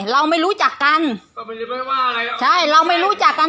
เราไม่รู้จักกันก็ไม่ได้ไม่ว่าอะไรอ่ะใช่เราไม่รู้จักกัน